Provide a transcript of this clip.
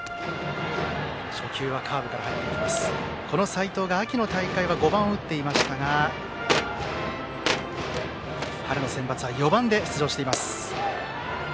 この齋藤が秋の大会は５番を打っていましたが春のセンバツは４番で出場しています。